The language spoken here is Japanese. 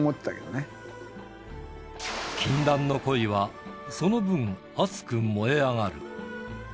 禁断の恋はその分、熱く燃え上がる。